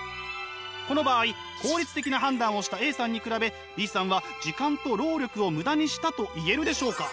この場合効率的な判断をしたＡさんに比べＢさんは時間と労力をムダにしたと言えるでしょうか？